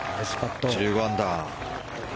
１５アンダー。